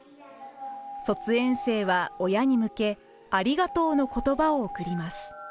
卒園生は親に向けありがとうの言葉を贈ります。